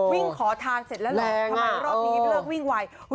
วิ่งขอทานเสร็จแล้วแหละเริ่มรอบนี้เลิกวิ่งไวเหรอ